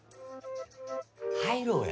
入ろうや。